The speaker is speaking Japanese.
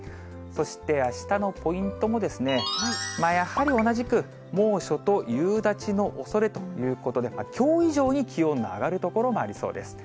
そして、あしたのポイントも、やはり同じく猛暑と夕立のおそれということで、きょう以上に気温の上がる所もありそうです。